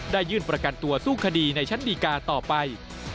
ยื่นประกันตัวสู้คดีในชั้นดีกาต่อไป